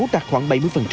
đạt khoảng bảy mươi